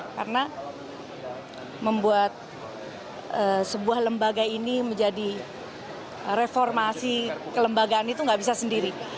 karena membuat sebuah lembaga ini menjadi reformasi kelembagaan itu nggak bisa sendiri